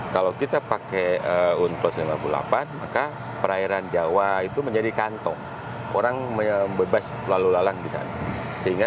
kalau kita pakai unplus seribu sembilan ratus lima puluh delapan maka perairan jawa itu menjadi kantong orang bebas lalu lalang di sana